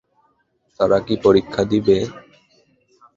তারা কী পরীক্ষা দিবে?